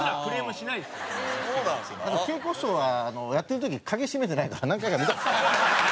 桂子師匠はやってる時鍵閉めてないから何回か見た事ある。